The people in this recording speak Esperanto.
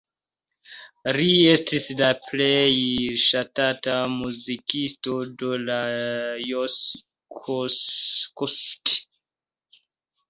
Li estis la plej ŝatata muzikisto de Lajos Kossuth.